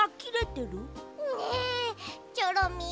ねえチョロミー